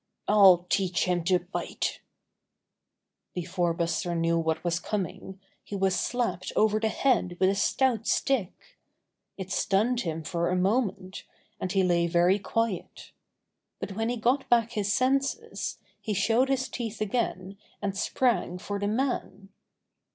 "I'll teach him to bitel" Before Buster knew what was coming, he was slapped over the head with a stout stick. It stunned him for a moment, and he lay very quiet. But when he got back his senses, he showed his teeth again and sprang for the man.